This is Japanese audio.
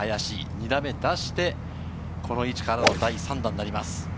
２打目を出して、この位置からの第３打になります。